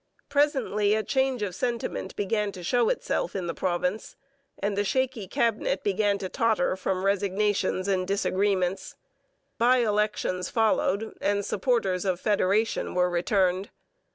Presently a change of sentiment began to show itself in the province, and the shaky Cabinet began to totter from resignations and disagreements. By elections followed and supporters of federation were returned.